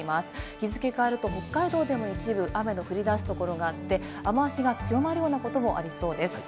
日付が変わると、北海道でも一部雨の降り出すころがあって、雨足が強まるようなこともありそうです。